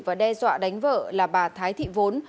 và đe dọa đánh vợ là bà thái thị vốn